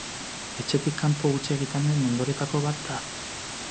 Etxetik kanpo huts egitearen ondorioetako bat da.